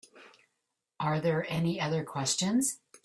Are there any other questions?